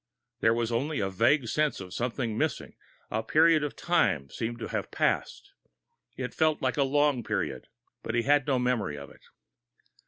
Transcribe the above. There was only a vague sense of something missing a period of time seemed to have passed. It felt like a long period, but he had no memory of it.